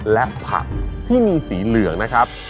และผักที่มีสีเหลืองนะครับ